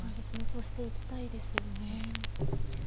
そうしていきたいですよね。